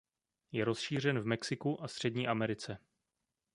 Je rozšířen v Mexiku a Střední Americe.